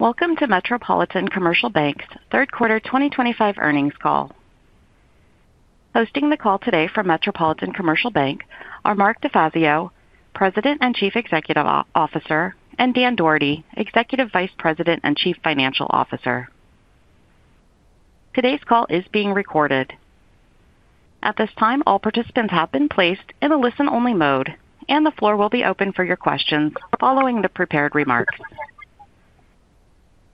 Welcome to Metropolitan Commercial Bank's third quarter 2025 earnings call. Hosting the call today from Metropolitan Commercial Bank are Mark DeFazio, President and Chief Executive Officer, and Daniel Dougherty, Executive Vice President and Chief Financial Officer. Today's call is being recorded. At this time, all participants have been placed in a listen-only mode, and the floor will be open for your questions following the prepared remarks.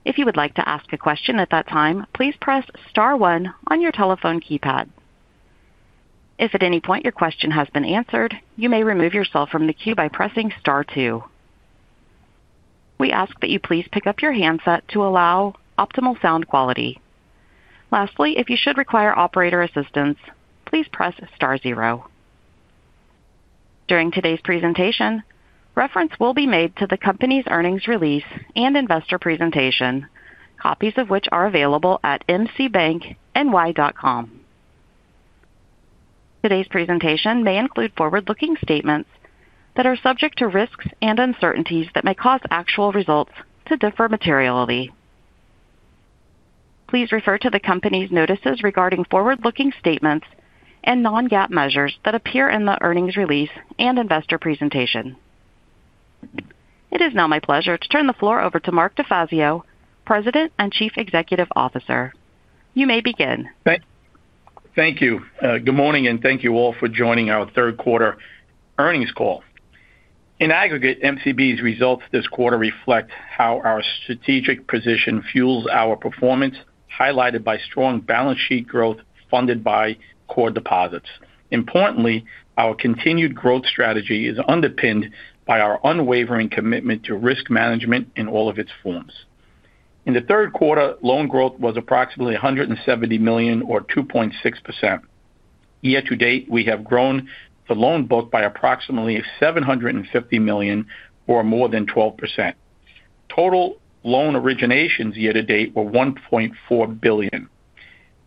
If you would like to ask a question at that time, please press star one on your telephone keypad. If at any point your question has been answered, you may remove yourself from the queue by pressing star two. We ask that you please pick up your handset to allow optimal sound quality. Lastly, if you should require operator assistance, please press star zero. During today's presentation, reference will be made to the company's earnings release and investor presentation, copies of which are available at mcbankny.com. Today's presentation may include forward-looking statements that are subject to risks and uncertainties that may cause actual results to differ materially. Please refer to the company's notices regarding forward-looking statements and non-GAAP measures that appear in the earnings release and investor presentation. It is now my pleasure to turn the floor over to Mark DeFazio, President and Chief Executive Officer. You may begin. Thank you. Good morning, and thank you all for joining our third quarter earnings call. In aggregate, MCB's results this quarter reflect how our strategic position fuels our performance, highlighted by strong balance sheet growth funded by core deposits. Importantly, our continued growth strategy is underpinned by our unwavering commitment to risk management in all of its forms. In the third quarter, loan growth was approximately $170 million, or 2.6%. Year-to-date, we have grown the loan book by approximately $750 million, or more than 12%. Total loan originations year-to-date were $1.4 billion.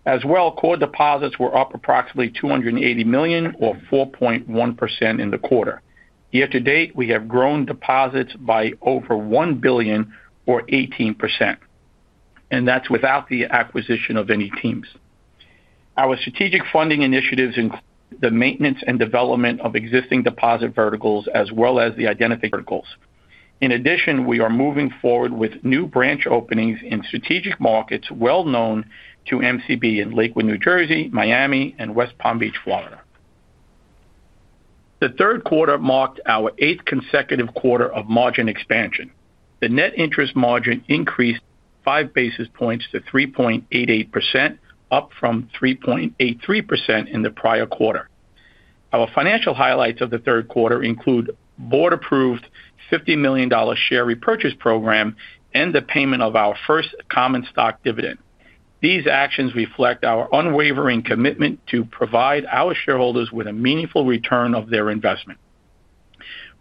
As well, core deposits were up approximately $280 million, or 4.1% in the quarter. Year-to-date, we have grown deposits by over $1 billion, or 18%. That is without the acquisition of any teams. Our strategic funding initiatives include the maintenance and development of existing deposit verticals, as well as the identified verticals. In addition, we are moving forward with new branch openings in strategic markets well known to MCB in Lakewood, New Jersey, Miami, and West Palm Beach, Florida. The third quarter marked our eighth consecutive quarter of margin expansion. The net interest margin increased five basis points to 3.88%, up from 3.83% in the prior quarter. Our financial highlights of the third quarter include board-approved $50 million share repurchase program and the payment of our first common stock dividend. These actions reflect our unwavering commitment to provide our shareholders with a meaningful return of their investment.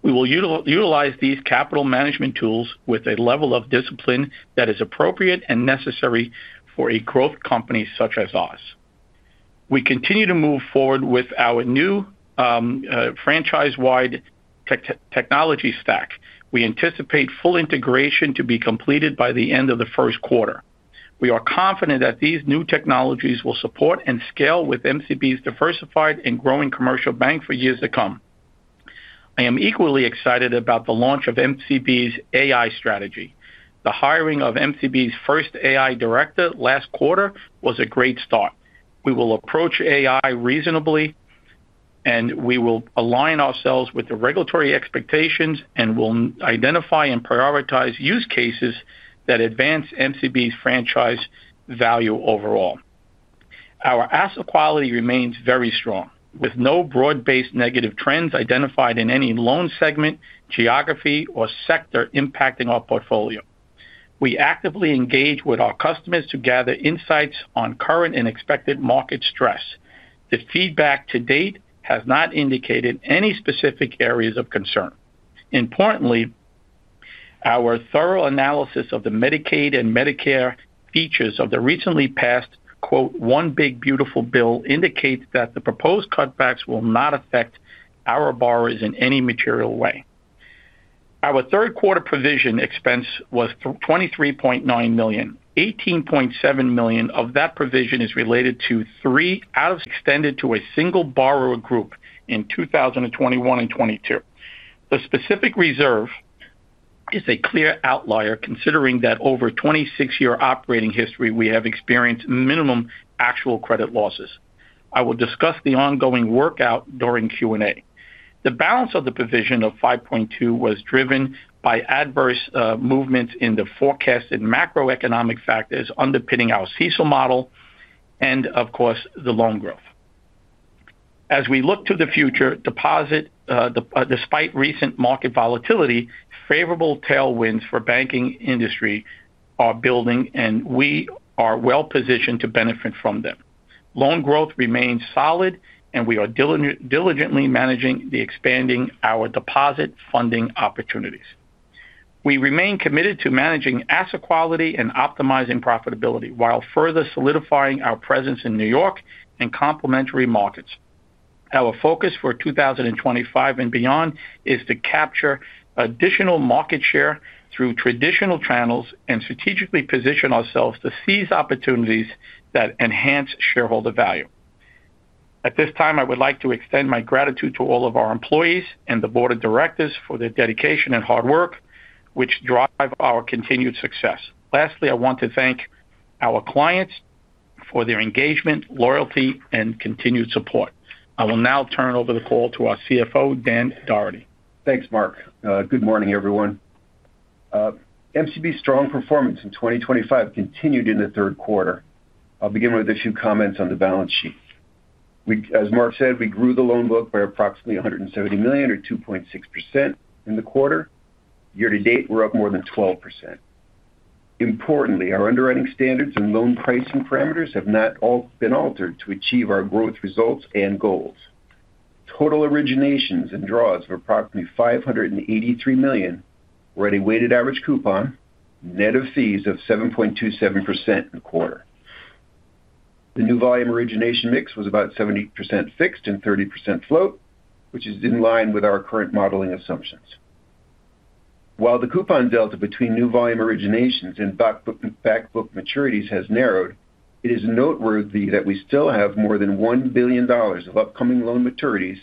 We will utilize these capital management tools with a level of discipline that is appropriate and necessary for a growth company such as ours. We continue to move forward with our new franchise-wide technology stack. We anticipate full integration to be completed by the end of the first quarter. We are confident that these new technologies will support and scale with MCB's diversified and growing commercial bank for years to come. I am equally excited about the launch of MCB's AI strategy. The hiring of MCB's first AI director last quarter was a great start. We will approach AI reasonably, and we will align ourselves with the regulatory expectations, and we'll identify and prioritize use cases that advance MCB's franchise value overall. Our asset quality remains very strong, with no broad-based negative trends identified in any loan segment, geography, or sector impacting our portfolio. We actively engage with our customers to gather insights on current and expected market stress. The feedback to date has not indicated any specific areas of concern. Importantly, our thorough analysis of the Medicaid and Medicare features of the recently passed "one big beautiful bill" indicates that the proposed cutbacks will not affect our borrowers in any material way. Our third quarter provision expense was $23.9 million. $18.7 million of that provision is related to three loans extended to a single borrower group in 2021 and 2022. The specific reserve is a clear outlier, considering that over a 26-year operating history, we have experienced minimal actual credit losses. I will discuss the ongoing workout during Q&A. The balance of the provision of $5.2 million was driven by adverse movements in the forecast and macroeconomic factors underpinning our CECL model, and of course, the loan growth. As we look to the future, despite recent market volatility, favorable tailwinds for the banking industry are building, and we are well positioned to benefit from them. Loan growth remains solid, and we are diligently managing and expanding our deposit funding opportunities. We remain committed to managing asset quality and optimizing profitability while further solidifying our presence in New York and complementary markets. Our focus for 2025 and beyond is to capture additional market share through traditional channels and strategically position ourselves to seize opportunities that enhance shareholder value. At this time, I would like to extend my gratitude to all of our employees and the Board of Directors for their dedication and hard work, which drive our continued success. Lastly, I want to thank our clients for their engagement, loyalty, and continued support. I will now turn over the call to our CFO, Daniel Dougherty. Thanks, Mark. Good morning, everyone. MCB's strong performance in 2025 continued in the third quarter. I'll begin with a few comments on the balance sheet. As Mark said, we grew the loan book by approximately $170 million, or 2.6% in the quarter. Year to date, we're up more than 12%. Importantly, our underwriting standards and loan pricing parameters have not all been altered to achieve our growth results and goals. Total originations and draws were approximately $583 million, or at a weighted average coupon, net of fees, of 7.27% in the quarter. The new volume origination mix was about 70% fixed and 30% float, which is in line with our current modeling assumptions. While the coupon delta between new volume originations and backbook maturities has narrowed, it is noteworthy that we still have more than $1 billion of upcoming loan maturities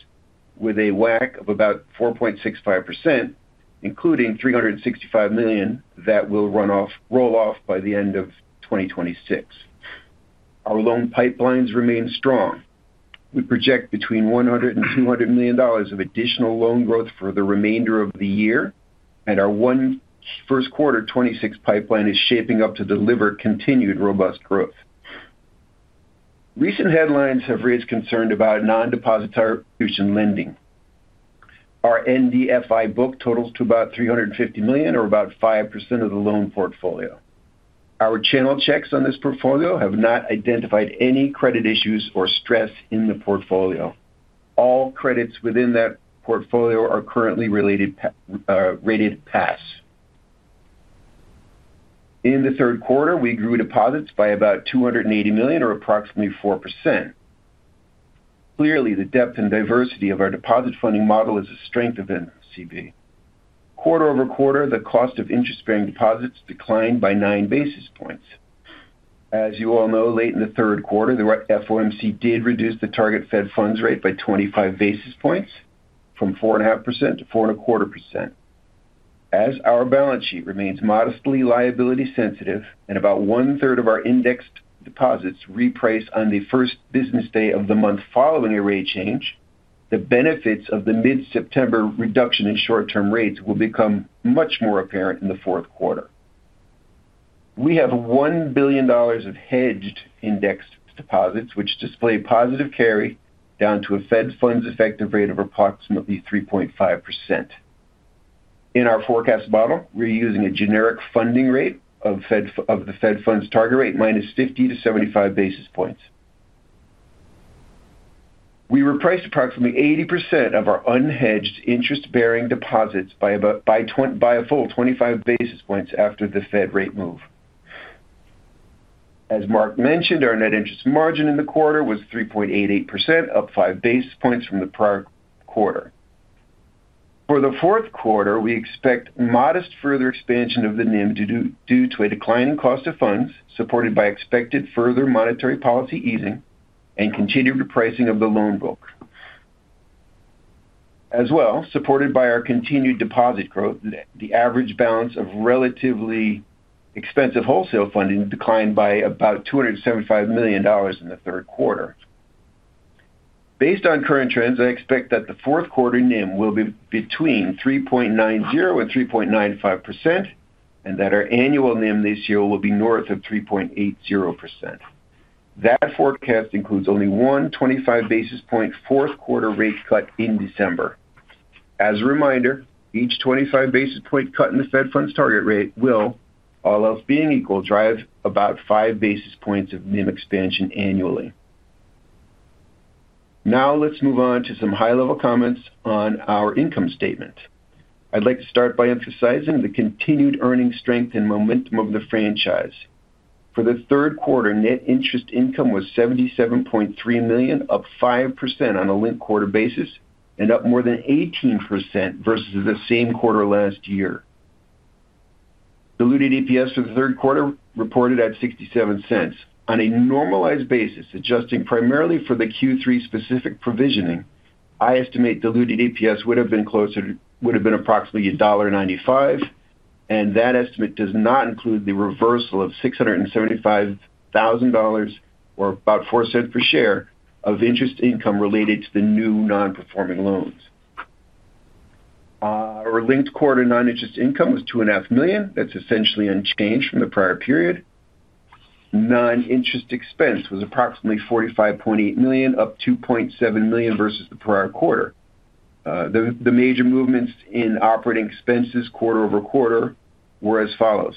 with a WACC of about 4.65%, including $365 million that will roll off by the end of 2026. Our loan pipelines remain strong. We project between $100 million and $200 million of additional loan growth for the remainder of the year, and our first quarter 2026 pipeline is shaping up to deliver continued robust growth. Recent headlines have raised concern about non-depository lending. Our NDFI book totals to about $350 million, or about 5% of the loan portfolio. Our channel checks on this portfolio have not identified any credit issues or stress in the portfolio. All credits within that portfolio are currently rated pass. In the third quarter, we grew deposits by about $280 million, or approximately 4%. Clearly, the depth and diversity of our deposit funding model is a strength of MCB. Quarter-over-quarter, the cost of interest-bearing deposits declined by 9 basis points. As you all know, late in the third quarter, the FOMC did reduce the target Fed funds rate by 25 basis points from 4.5% to 4.25%. As our balance sheet remains modestly liability-sensitive and about one-third of our indexed deposits reprice on the first business day of the month following a rate change, the benefits of the mid-September reduction in short-term rates will become much more apparent in the fourth quarter. We have $1 billion of hedged indexed deposits, which display positive carry down to a Fed funds effective rate of approximately 3.5%. In our forecast model, we're using a generic funding rate of the Fed funds target rate -50-75 basis points. We repriced approximately 80% of our unhedged interest-bearing deposits by a full 25 basis points after the Fed rate move. As Mark DeFazio mentioned, our net interest margin in the quarter was 3.88%, up five basis points from the prior quarter. For the fourth quarter, we expect modest further expansion of the NIM due to a declining cost of funds supported by expected further monetary policy easing and continued repricing of the loan book. As well, supported by our continued deposit growth, the average balance of relatively expensive wholesale funding declined by about $275 million in the third quarter. Based on current trends, I expect that the fourth quarter NIM will be between 3.90% and 3.95% and that our annual NIM this year will be north of 3.80%. That forecast includes only one 25 basis point fourth quarter rate cut in December. As a reminder, each 25 basis point cut in the Fed funds target rate will, all else being equal, drive about five basis points of NIM expansion annually. Now let's move on to some high-level comments on our income statement. I'd like to start by emphasizing the continued earning strength and momentum of the franchise. For the third quarter, net interest income was $77.3 million, up 5% on a linked quarter basis and up more than 18% versus the same quarter last year. Diluted EPS for the third quarter reported at $0.67. On a normalized basis, adjusting primarily for the Q3 specific provisioning, I estimate diluted EPS would have been approximately $1.95, and that estimate does not include the reversal of $675,000 or about $0.04 per share of interest income related to the new non-performing loans. Our linked quarter non-interest income was $2.5 million. That's essentially unchanged from the prior period. Non-interest expense was approximately $45.8 million, up $2.7 million versus the prior quarter. The major movements in operating expenses quarter over quarter were as follows: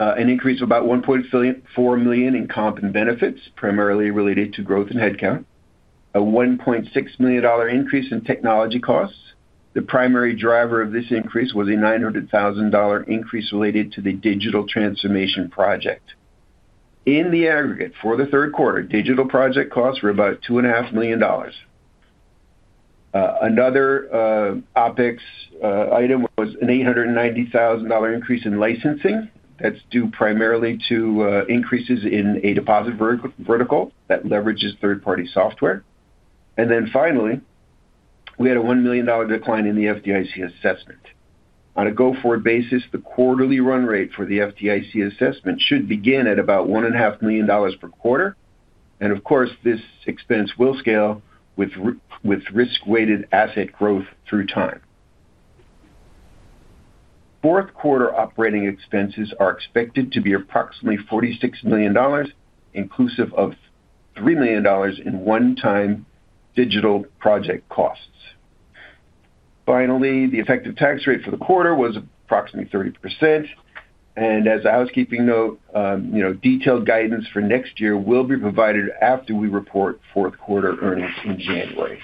an increase of about $1.4 million in comp and benefits, primarily related to growth in headcount, a $1.6 million increase in technology costs. The primary driver of this increase was a $900,000 increase related to the digital transformation project. In the aggregate for the third quarter, digital project costs were about $2.5 million. Another OpEx item was an $890,000 increase in licensing. That's due primarily to increases in a deposit vertical that leverages third-party software. Finally, we had a $1 million decline in the FDIC assessment. On a go-forward basis, the quarterly run rate for the FDIC assessment should begin at about $1.5 million per quarter. This expense will scale with risk-weighted asset growth through time. Fourth quarter operating expenses are expected to be approximately $46 million, inclusive of $3 million in one-time digital project costs. Finally, the effective tax rate for the quarter was approximately 30%. As a housekeeping note, detailed guidance for next year will be provided after we report fourth quarter earnings in January.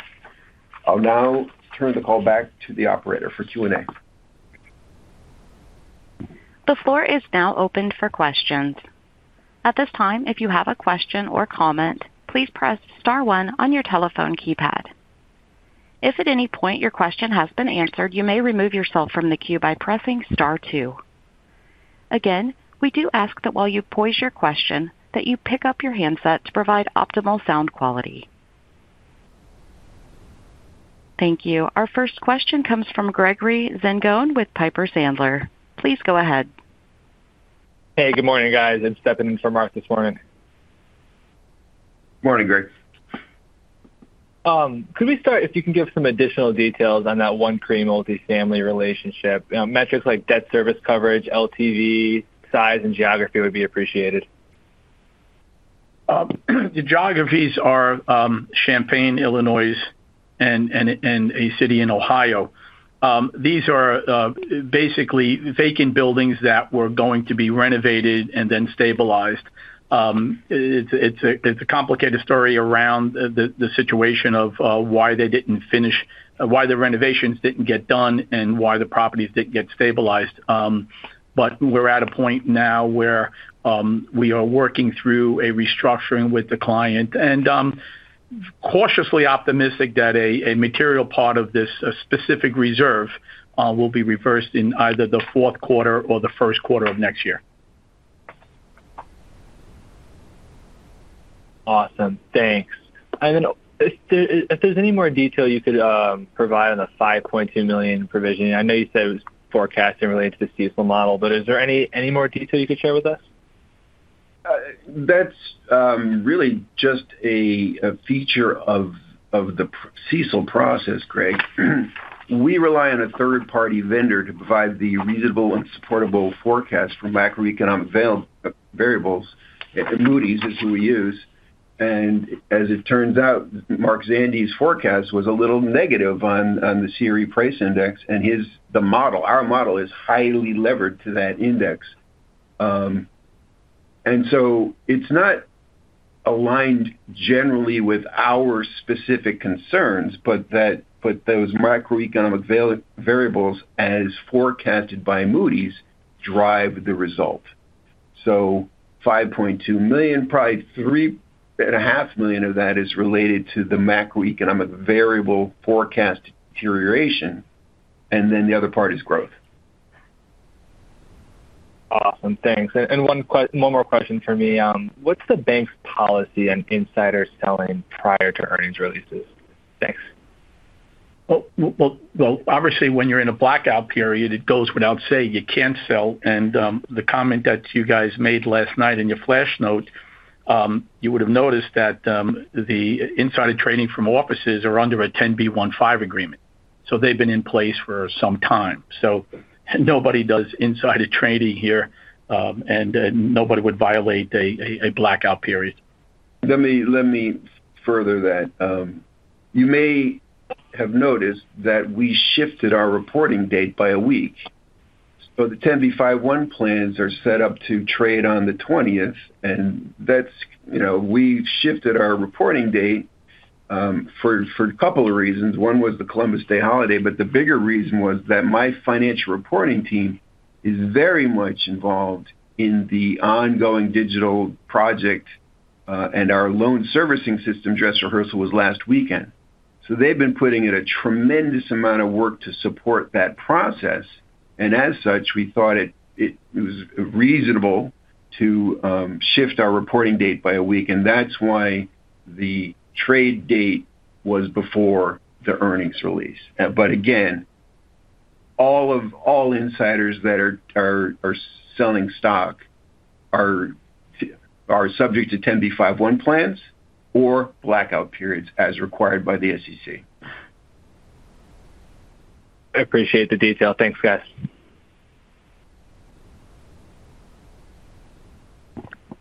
I'll now turn the call back to the operator for Q&A. The floor is now open for questions. At this time, if you have a question or comment, please press star one on your telephone keypad. If at any point your question has been answered, you may remove yourself from the queue by pressing star two. Again, we do ask that while you pose your question, that you pick up your handset to provide optimal sound quality. Thank you. Our first question comes from Gregory Zingone with Piper Sandler. Please go ahead. Hey, good morning, guys. I'm stepping in for Mark this morning. Morning, Greg. Could we start, if you can give some additional details on that one CRE multifamily relationship? Metrics like debt service coverage, LTV, size, and geography would be appreciated. The geographies are Champaign, Illinois, and a city in Ohio. These are basically vacant buildings that were going to be renovated and then stabilized. It's a complicated story around the situation of why they didn't finish, why the renovations didn't get done, and why the properties didn't get stabilized. We are at a point now where we are working through a restructuring with the client and cautiously optimistic that a material part of this specific reserve will be reversed in either the fourth quarter or the first quarter of next year. Awesome. Thanks. If there's any more detail you could provide on the $5.2 million provision, I know you said it was forecast and related to the CECL model, but is there any more detail you could share with us? That's really just a feature of the CECL process, Greg. We rely on a third-party vendor to provide the reasonable and supportable forecast from macroeconomic variables. Moody's is who we use. As it turns out, Mark Zandi's forecast was a little negative on the CRE price index, and the model, our model is highly levered to that index. It's not aligned generally with our specific concerns, but those macroeconomic variables, as forecasted by Moody's, drive the result. $5.2 million, probably $3.5 million of that is related to the macroeconomic variable forecast deterioration, and the other part is growth. Awesome. Thanks. One more question from me. What's the bank's policy on insider selling prior to earnings releases? Thanks. Obviously, when you're in a blackout period, it goes without saying. You can't sell. The comment that you guys made last night in your flash note, you would have noticed that the insider trading from officers are under a 10b5-1 agreement. They've been in place for some time. Nobody does insider trading here, and nobody would violate a blackout period. Let me further that. You may have noticed that we shifted our reporting date by a week. The 10b5-1 plans are set up to trade on the 20th, and we shifted our reporting date for a couple of reasons. One was the Columbus Day holiday, but the bigger reason was that my financial reporting team is very much involved in the ongoing digital project, and our loan servicing system dress rehearsal was last weekend. They've been putting in a tremendous amount of work to support that process. As such, we thought it was reasonable to shift our reporting date by a week, and that's why the trade date was before the earnings release. Again, all insiders that are selling stock are subject to 10b5-1 plans or blackout periods as required by the SEC. I appreciate the detail. Thanks, guys.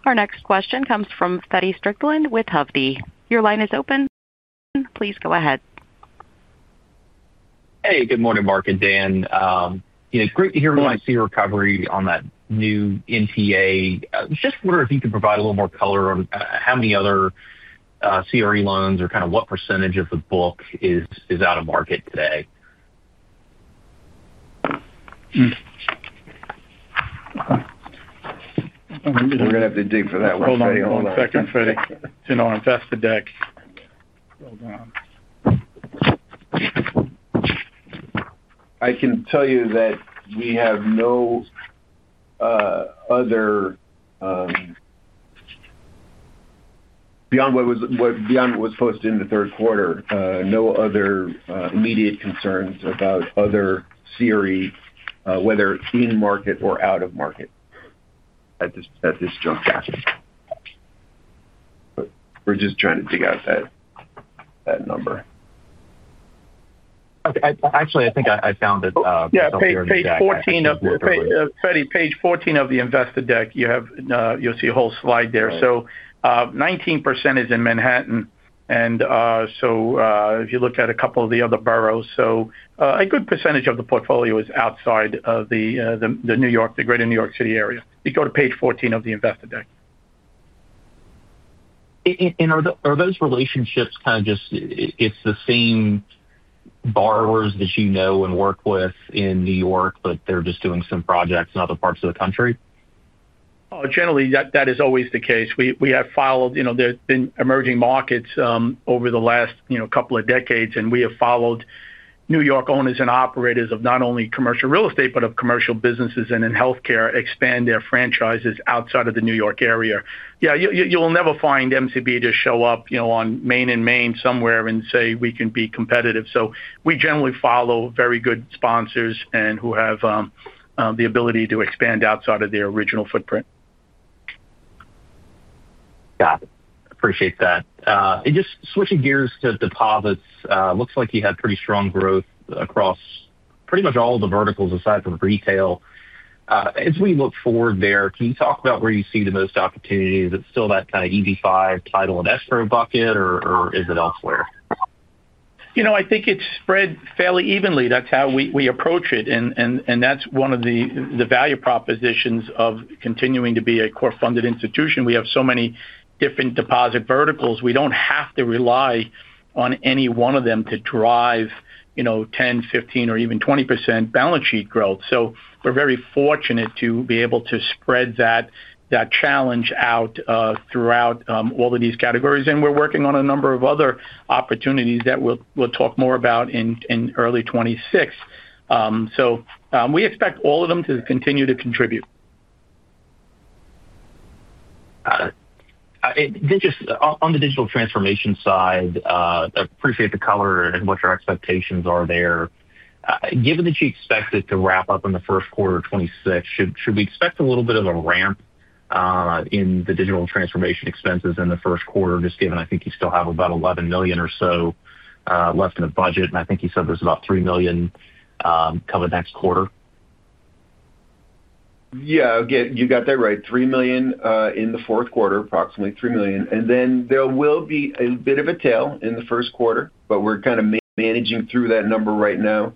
Our next question comes from Feddie Strickland with Hovde Group. Your line is open. Please go ahead. Hey, good morning, Mark and Dan. It's great to hear about CRE recovery on that new NTA. I was just wondering if you could provide a little more color on how many other CRE loans or kind of what % of the book is out of market today. I think we're going to have to dig for that one, Feddie. Hold on a second, Feddie. It's in our investor deck. Hold on. I can tell you that we have no other, beyond what was posted in the third quarter, no other immediate concerns about other CRE, whether in market or out of market at this jump gap. We're just trying to dig out that number. Actually, I think I found it. Page 14 of the investor deck, you'll see a whole slide there. 19% is in Manhattan. If you look at a couple of the other boroughs, a good percentage of the portfolio is outside of the New York, the greater New York City area. If you go to page 14 of the investor deck. Are those relationships kind of just, it's the same borrowers that you know and work with in New York, but they're just doing some projects in other parts of the country? Generally, that is always the case. We have followed, you know, there's been emerging markets over the last couple of decades, and we have followed New York owners and operators of not only commercial real estate, but of commercial businesses and in healthcare, expand their franchises outside of the New York area. You will never find MCB to show up, you know, on Main and Main somewhere and say we can be competitive. We generally follow very good sponsors who have the ability to expand outside of their original footprint. Got it. Appreciate that. Just switching gears to deposits, it looks like you had pretty strong growth across pretty much all the verticals aside from retail. As we look forward there, can you talk about where you see the most opportunities? Is it still that kind of EB-5 title and escrow bucket, or is it elsewhere? You know, I think it's spread fairly evenly. That's how we approach it. That's one of the value propositions of continuing to be a core-funded institution. We have so many different diversified deposit verticals. We don't have to rely on any one of them to drive 10%, 15%, or even 20% balance sheet growth. We're very fortunate to be able to spread that challenge out throughout all of these categories. We're working on a number of other opportunities that we'll talk more about in early 2026. We expect all of them to continue to contribute. Got it. Just on the digital transformation side, I appreciate the color and what your expectations are there. Given that you expect it to wrap up in the first quarter of 2026, should we expect a little bit of a ramp in the digital transformation expenses in the first quarter, just given I think you still have about $11 million or so left in the budget? I think you said there's about $3 million covered next quarter. Yeah, you got that right. $3 million in the fourth quarter, approximately $3 million. There will be a bit of a tail in the first quarter, but we're kind of managing through that number right now.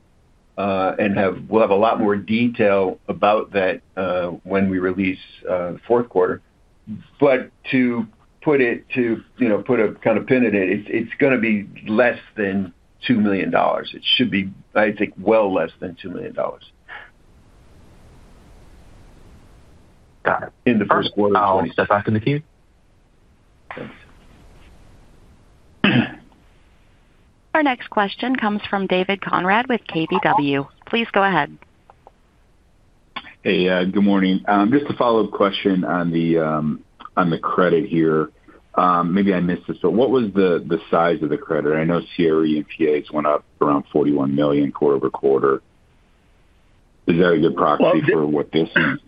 We'll have a lot more detail about that when we release the fourth quarter. To put a kind of pin in it, it's going to be less than $2 million. It should be, I think, well less than $2 million. Got it. In the first quarter of 2026. I'm stepping back in the queue. Thanks. Our next question comes from David Conrad with KBW. Please go ahead. Hey, good morning. Just a follow-up question on the credit here. Maybe I missed this, but what was the size of the credit? I know CRE and PAs went up around $41 million quarter over quarter. Is there a good proxy for what this is?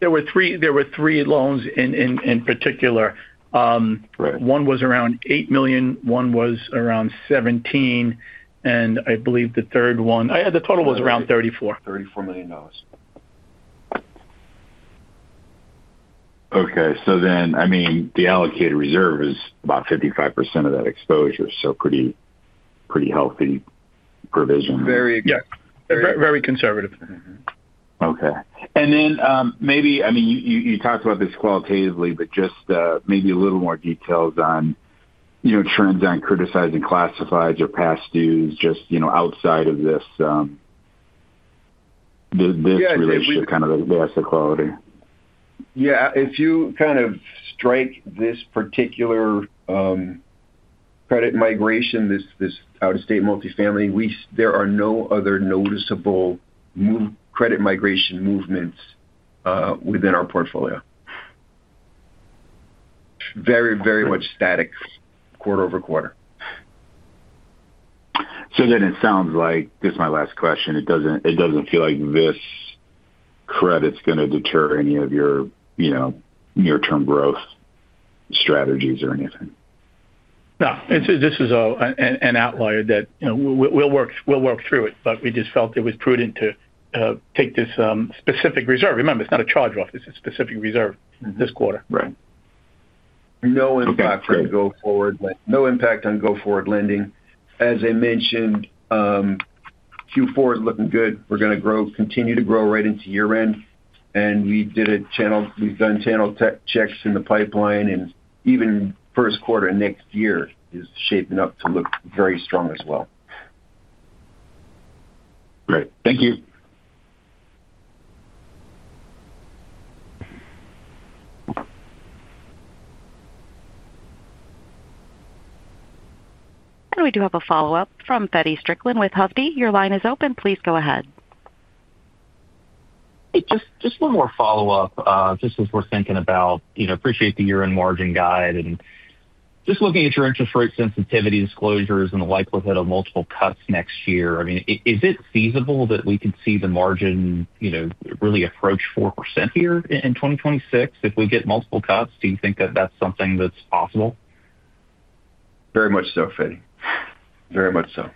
There were three loans in particular. One was around $8 million, one was around $17 million, and I believe the third one, the total was around $34 million. $34 million. Okay. The allocated reserve is about 55% of that exposure, so pretty healthy provision. Very good, very conservative. Okay. Maybe, I mean, you talked about this qualitatively, but just maybe a little more details on trends on criticizing classifieds or past dues, just outside of this relationship, kind of the asset quality. If you kind of strike this particular credit migration, this out-of-state multifamily, there are no other noticeable credit migration movements within our portfolio. Very, very much static quarter-over-quarter. So then it sounds like, this is my last question, it doesn't feel like this credit's going to deter any of your near-term growth strategies or anything. No. This is an outlier that we'll work through, but we just felt it was prudent to take this specific reserve. Remember, it's not a charge-off. This is a specific reserve this quarter. Right. No impact on go-forward lending. As I mentioned, Q4 is looking good. We're going to grow, continue to grow right into year-end. We've done channel checks in the pipeline, and even first quarter next year is shaping up to look very strong as well. Great. Thank you. We do have a follow-up from Feddie Strickland with Hovde Group. Your line is open. Please go ahead. Just one more follow-up. As we're thinking about, you know, I appreciate the year-end margin guide and just looking at your interest rate sensitivity disclosures and the likelihood of multiple cuts next year. I mean, is it feasible that we could see the margin really approach 4% here in 2026? If we get multiple cuts, do you think that that's something that's possible? Very much so, Feddie. Very much so.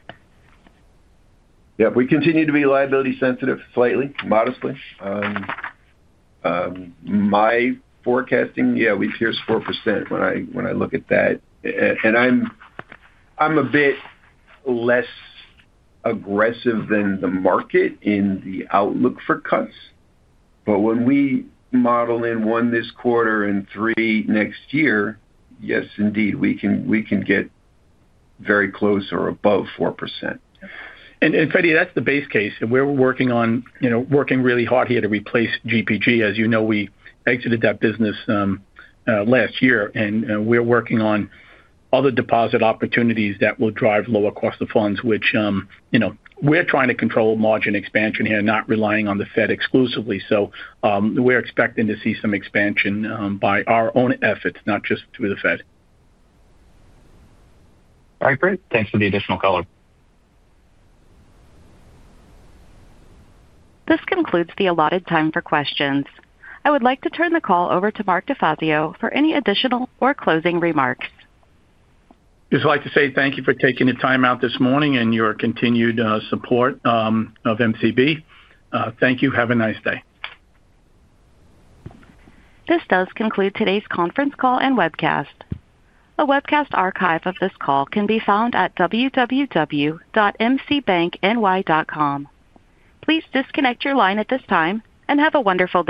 Yeah, if we continue to be liability-sensitive slightly, modestly. My forecasting, yeah, we pierce 4% when I look at that. I'm a bit less aggressive than the market in the outlook for cuts. When we model in one this quarter and three next year, yes, indeed, we can get very close or above 4%. Feddie, that's the base case. We're working really hard here to replace GPG. As you know, we exited that business last year. We're working on other deposit opportunities that will drive lower cost of funds, which we're trying to control margin expansion here, not relying on the Fed exclusively. We're expecting to see some expansion by our own efforts, not just through the Fed. All right, great. Thanks for the additional color. This concludes the allotted time for questions. I would like to turn the call over to Mark DeFazio for any additional or closing remarks. I'd just like to say thank you for taking the time out this morning and your continued support of Metropolitan Commercial Bank. Thank you. Have a nice day. This does conclude today's conference call and webcast. A webcast archive of this call can be found at www.mcbankny.com. Please disconnect your line at this time and have a wonderful day.